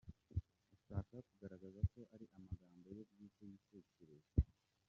ashaka kugaragaza ko ari amagambo ye bwite yitekerereje.